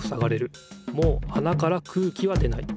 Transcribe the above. もうあなから空気は出ない。